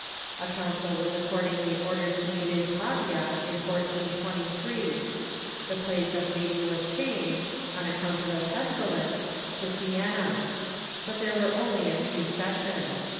A council was accordingly ordered to meet in Pavia, in 1423. The place of meeting was changed, on account of a pestilence, to Siena. But there were only a few sessions.